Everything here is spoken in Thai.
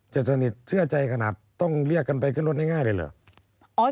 สนิทเชื่อใจขนาดต้องเรียกกันไปขึ้นรถง่ายเลยเหรอ